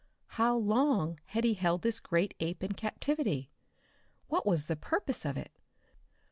How long had he held this great ape in captivity? What was the purpose of it?